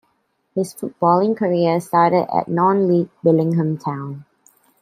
His footballing career started at non-league Billingham Town.